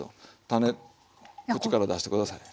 種口から出して下さい。